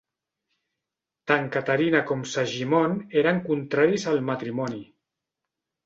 Tant Caterina com Segimon eren contraris al matrimoni.